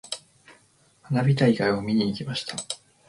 花火大会を見に行きました。